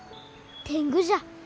天狗じゃ。